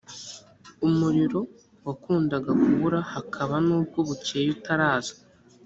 umuriro wakundaga kubura hakaba n ubwo bukeye utaraza